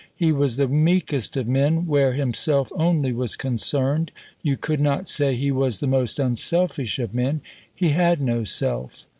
He was the meekest of men where himself only was concerned. You could not say he was the most unselfish of men: he had no self.